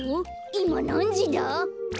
いまなんじだ？